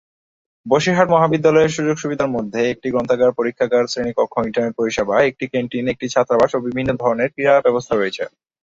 বসিরহাট মহাবিদ্যালয়ের সুযোগ-সুবিধাসমূহের মধ্যে একটি গ্রন্থাগার, পরীক্ষাগার, শ্রেণিকক্ষ, ইন্টারনেট পরিষেবা, একটি ক্যান্টিন, একটি ছাত্রাবাস ও বিভিন্ন ধরণের ক্রীড়া ব্যবস্থা রয়েছে।